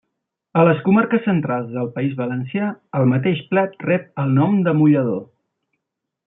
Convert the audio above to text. A les Comarques Centrals del País Valencià el mateix plat rep el nom de mullador.